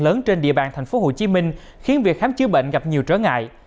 lớn trên địa bàn thành phố hồ chí minh khiến việc khám chứa bệnh gặp nhiều trở ngại